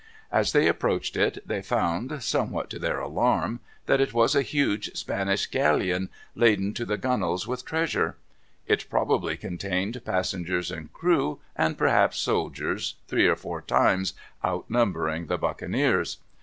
As they approached it, they found, somewhat to their alarm, that it was a huge Spanish galleon laden to the gunwales with treasure. It probably contained passengers and crew, and perhaps soldiers, three or four times outnumbering the buccaneers.